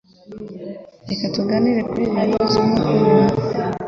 Reka tuganire kuri ibyo bibazo umwe umwe.